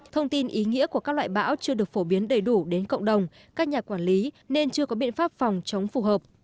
thông tin ý nghĩa của các loại bão chưa được phổ biến đầy đủ đến cộng đồng các nhà quản lý nên chưa có biện pháp phòng chống phù hợp